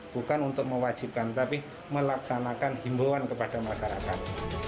bukan untuk mewajibkan tapi melaksanakan himbauan kepada masyarakat